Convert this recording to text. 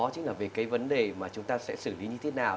chính là về cái vấn đề mà chúng ta sẽ xử lý như thế nào